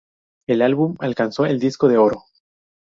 El álbum alcanzó el disco de oro.